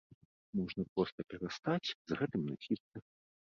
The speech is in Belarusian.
Можна проста перастаць з гэтым насіцца.